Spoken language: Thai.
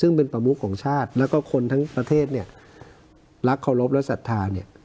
ซึ่งเป็นประมุขของชาติแล้วก็คนทั้งประเทศเนี่ยรักเคารพและศรัทธาเนี่ย